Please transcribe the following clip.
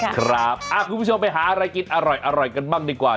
คุณผู้ชมไปหาอะไรกินอร่อยกันบ้างดีกว่า